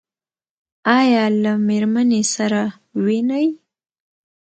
ایا له میرمنې سره وینئ؟